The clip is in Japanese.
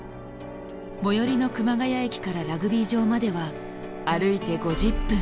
最寄りの熊谷駅からラグビー場までは歩いて５０分。